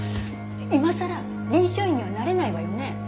今さら臨床医にはなれないわよね？